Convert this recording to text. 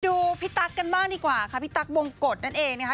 พี่ตั๊กกันบ้างดีกว่าค่ะพี่ตั๊กบงกฎนั่นเองนะคะ